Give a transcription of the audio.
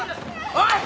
おい！